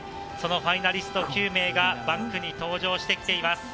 ファイナリスト９名がバンクに搭乗してきています。